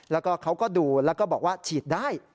แล้วก็เขาก็ดูแล้วก็บอกว่าฉีดได้